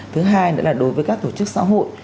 thứ hai nữa là đối với các tổ chức xã hội